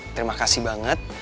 terima kasih banget